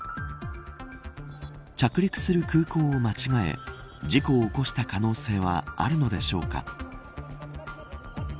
着陸する空港を間違え事故を起こした可能性はあるのでしょうか。